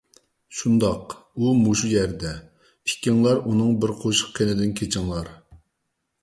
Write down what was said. شۇنداق، ئۇ مۇشۇ يەردە. ئىككىڭلار ئۇنىڭ بىر قوشۇق قېنىدىن كېچىڭلار.